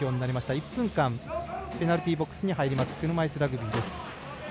１分間ペナルティーボックスに入ります、車いすラグビー。